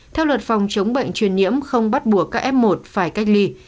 theo luật phòng chống bệnh truyền nhiễm không bắt buộc các f một phải cách ly